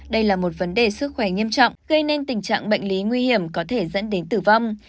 đây là một vấn đề sức khỏe nghiêm trọng gây nên tình trạng bệnh lý nguy hiểm có thể dẫn đến tử vong